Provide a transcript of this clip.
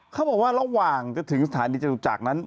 เขาบอกว่าระหว่างจะถึงสถานีจตุจักรนั้น